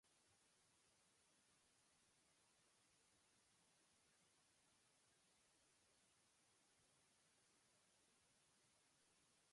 The verse occurs in where John the Baptist is berating the Pharisees and Sadducees.